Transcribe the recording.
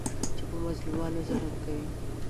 چې په مظلومانو ظلم کوي.